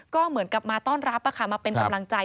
ก็เหมือนกับมาต้อนรับมาเป็นกำลังใจ